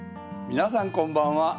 皆さんこんばんは。